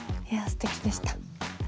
いやすてきでした。